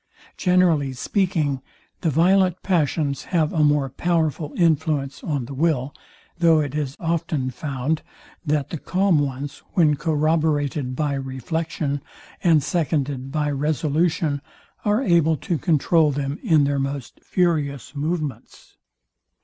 Generally speaking, the violent passions have a more powerful influence on the will; though it is often found, that the calm ones, when corroborated by reflection, and seconded by resolution, are able to controul them in their most furious movements.